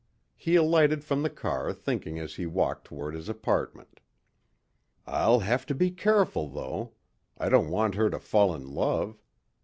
He alighted from the car thinking as he walked toward his apartment. "I'll have to be careful though. I don't want her to fall in love.